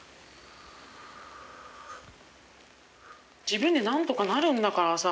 自分で何とかなるんだからさ。